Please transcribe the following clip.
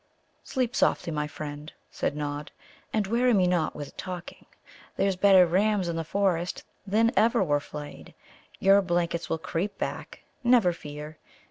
"Sleep softly, my friend," said Nod, "and weary me not with talking. There's better rams in the forest than ever were flayed. Your blankets will creep back, never fear.